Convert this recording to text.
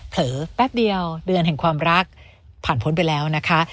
แป๊บเดียวเดือนแห่งความรักผ่านพ้นไปแล้วนะคะ